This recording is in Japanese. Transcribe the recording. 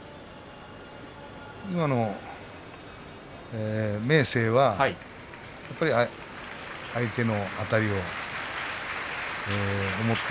今の明生はやっぱり相手のあたりを思って。